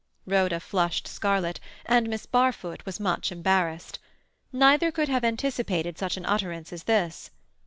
Rhoda flushed scarlet, and Miss Barfoot was much embarrassed. Neither could have anticipated such an utterance as this.